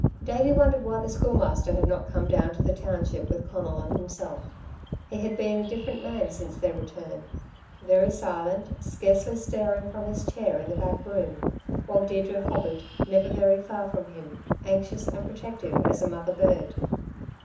Davey wondered why the Schoolmaster had not come down to the township with Conal and himself. He had been a different man since their return, very silent, scarcely stirring from his chair in the back room, while Deirdre hovered, never very far from him, anxious and protective as a mother bird.